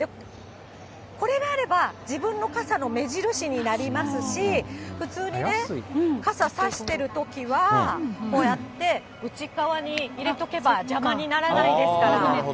これがあれば、自分の傘の目印になりますし、普通に傘差してるときはこうやって内っ側に入れておけば邪魔にならないですから。